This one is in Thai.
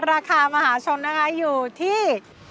ราคามหาชนนะคะอยู่ที่